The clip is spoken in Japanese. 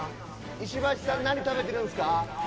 石橋さん何食べてるんですか？